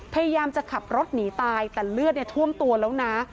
พยายามจะขับรถหนีตายแต่เลือดท่วมตัวแล้วนะ